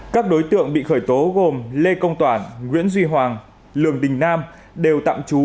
các đối tượng bị khởi tố gồm lê công toản nguyễn duy hoàng lường đình nam đều tạm trú